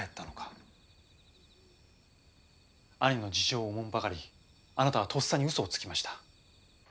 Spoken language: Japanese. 兄の事情をおもんぱかりあなたはとっさにうそをつきました。